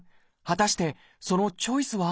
果たしてそのチョイスは？